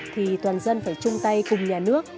thì toàn dân phải chung tay cùng nhà nước